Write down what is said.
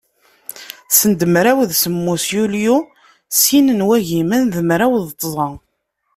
Send mraw d semmus yulyu sin n wagimen d mraw d tẓa.